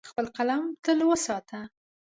خپل قلم تل وساته.